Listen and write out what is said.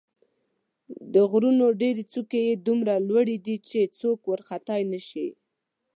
د غرونو ډېرې څوکې یې دومره لوړې دي چې څوک ورختلای نه شي.